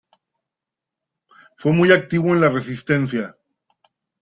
Fue muy activo en la resistencia.